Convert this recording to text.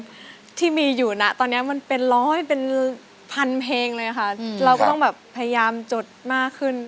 ที่มีอยู่นะตอนนี้มันเป็นร้อยเป็นพันเพลงเลยค่ะเราก็ต้องแบบพยายามจดมากขึ้น